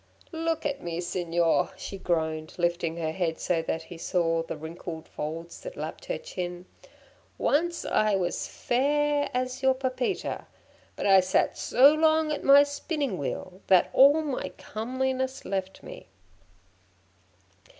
'Look at me, Signor!' she groaned, lifting her head so that he saw the wrinkled folds that lapped her chin. 'Once I was fair as your Pepita, but I sat so long at my spinning wheel, that all my comeliness left me.'